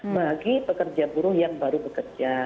bagi pekerja buruh yang baru bekerja